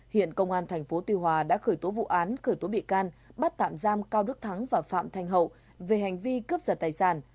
hiện công an tp tuy hòa đã khởi tố vụ án khởi tố bị can bắt tạm giam cao đức thắng và phạm thanh hậu về hành vi cướp giật tài sản